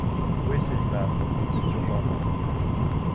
Où est Célimare… mon futur gendre ?